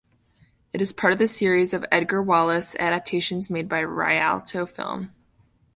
It is part of the series of Edgar Wallace adaptations made by Rialto Film.